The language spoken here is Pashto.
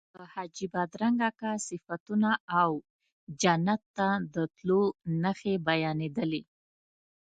د حاجي بادرنګ اکا صفتونه او جنت ته د تلو نښې بیانېدلې.